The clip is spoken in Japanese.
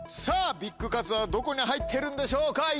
さぁビッグカツはどこに入ってるんでしょうか？